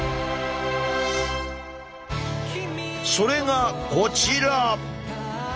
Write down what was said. それがこちら。